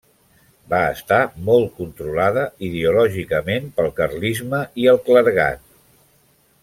Va estar molt controlada ideològicament pel carlisme i el clergat.